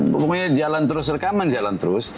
pokoknya jalan terus rekaman jalan terus